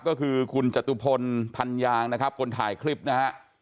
ก็คือคุณจตุพลพันยางนะครับคนถ่ายคลิปนะฮะ